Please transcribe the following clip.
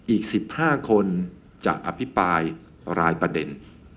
อีก๑๕คนจะอภิปรายรายประเด็น